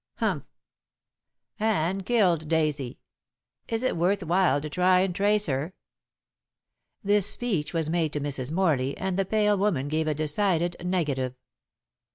Humph! Anne killed Daisy. Is it worth while to try and trace her?" This speech was made to Mrs. Morley, and the pale woman gave a decided negative.